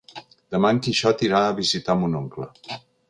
Demà en Quixot irà a visitar mon oncle.